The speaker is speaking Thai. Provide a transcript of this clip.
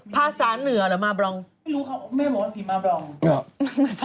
ผีไม่มีผี